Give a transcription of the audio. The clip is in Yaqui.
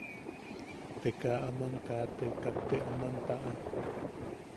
Te kaa aman kate, kaa te aman taʼa.